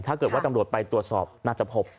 ถ้าเกิดว่าตำรวจไปตรวจสอบน่าจะพบ